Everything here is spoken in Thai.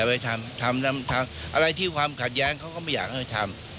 ไปทำอะไรที่ความขัดแย้งเขาก็ไม่อยากให้ทำ